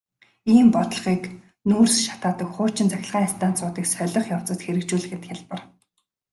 Ийм бодлогыг нүүрс шатаадаг хуучин цахилгаан станцуудыг солих явцад хэрэгжүүлэхэд хялбар.